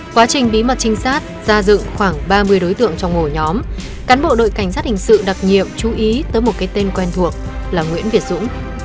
quá trình bí mật trinh sát ra dựng khoảng ba mươi đối tượng trong ổ nhóm cán bộ đội cảnh sát hình sự đặc nhiệm chú ý tới một cái tên quen thuộc là nguyễn việt dũng